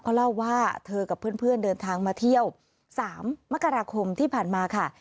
เขาเล่าว่าเธอกับเพื่อนเดินทางมาเที่ยว๓มกราคมที่ผ่านมาค่ะ